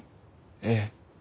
ええ。